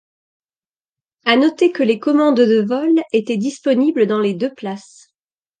À noter que les commandes de vol étaient disponibles dans les deux places.